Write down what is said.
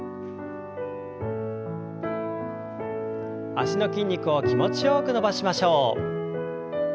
脚の筋肉を気持ちよく伸ばしましょう。